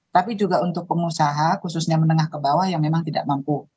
tapi juga untuk pengusaha khususnya menengah ke bawah yang memang tidak mampu